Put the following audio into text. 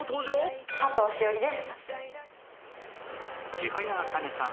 千早茜さん